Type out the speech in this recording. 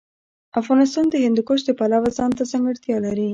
افغانستان د هندوکش د پلوه ځانته ځانګړتیا لري.